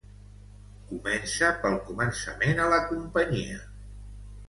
Comença pel començament a la companyia.